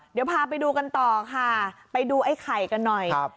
เดี๋ยวพาไปดูกันต่อค่ะไปดูไอ้ไข่กันหน่อย